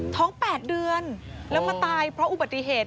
ท้อง๘เดือนแล้วมาตายเพราะอุบัติเหตุ